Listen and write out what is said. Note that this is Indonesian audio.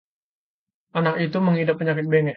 anak itu mengidap penyakit bengek